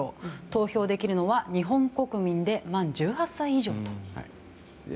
投票できるのは日本国民で満１８歳以上と。